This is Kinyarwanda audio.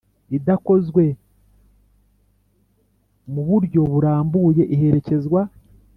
idakozwe mu buryo burambye iherekezwa